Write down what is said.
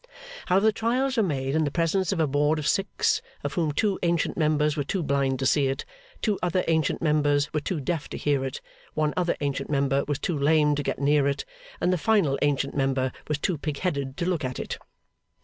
How the trials were made in the presence of a board of six, of whom two ancient members were too blind to see it, two other ancient members were too deaf to hear it, one other ancient member was too lame to get near it, and the final ancient member was too pig headed to look at it.